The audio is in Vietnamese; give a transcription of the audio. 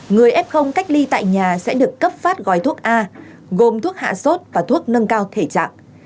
người f cách ly tại nhà sẽ được cấp phát gói thuốc a gồm thuốc hạ sốt và thuốc nâng cao thể trạng